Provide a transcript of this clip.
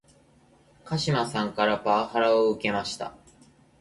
鹿島さんからパワハラを受けました